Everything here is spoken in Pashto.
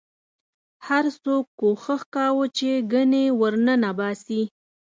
هر څوک کوښښ کاوه چې ګنې ورننه باسي.